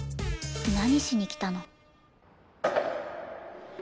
何しに来たの。